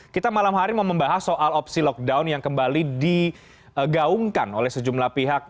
kita malam hari mau membahas soal opsi lockdown yang kembali digaungkan oleh sejumlah pihak